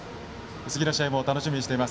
次の試合も楽しみにしています。